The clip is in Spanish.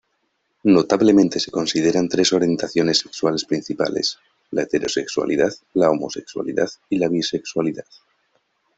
Notablemente se consideran tres orientaciones sexuales principales, la heterosexualidad, la homosexualidad y la bisexualidad.